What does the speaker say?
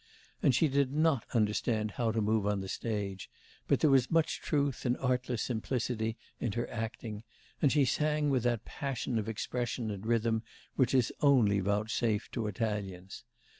And she did not understand how to move on the stage; but there was much truth and artless simplicity in her acting, and she sang with that passion of expression and rhythm which is only vouchsafed to Italians.